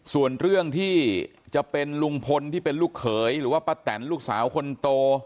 ส่วนเรื่องที่จะเป็นลุงพลที่เป็นลูกเขยหรือว่าป้าแตนลูกสาวคนโต